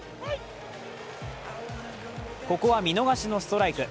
ここは見逃しのストライク。